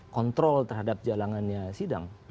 kontrol terhadap jalanannya sidang